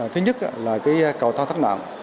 thứ nhất là cái cầu thang thắt nạn